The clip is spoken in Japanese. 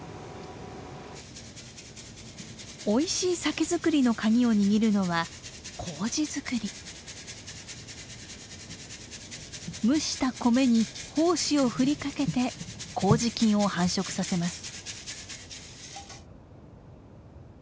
美味しい酒造りの鍵を握るのは蒸した米に胞子を振りかけて麹菌を繁殖させます。